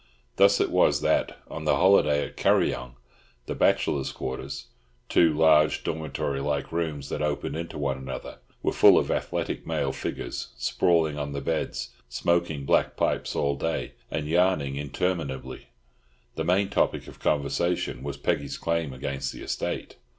Thus it was that, on the holiday at Kuryong, the Bachelors' Quarters—two large dormitory like rooms that opened into one another—were full of athletic male figures sprawling on the beds, smoking black pipes all day, and yarning interminably. The main topic of conversation was Peggy's claim against the estate.